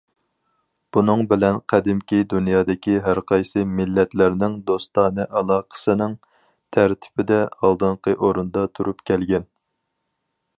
بۇنىڭ بىلەن قەدىمكى دۇنيادىكى ھەرقايسى مىللەتلەرنىڭ دوستانە ئالاقىسىنىڭ تەرتىپىدە ئالدىنقى ئورۇندا تۇرۇپ كەلگەن.